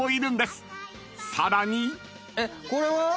［さらに］これは？